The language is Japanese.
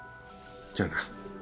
じゃあな。